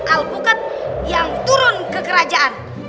alpukat yang turun ke kerajaan